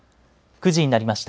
９時になりました。